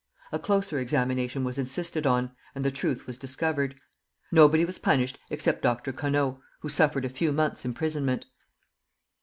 A closer examination was insisted on, and the truth was discovered. Nobody was punished except Dr. Conneau, who suffered a few months' imprisonment.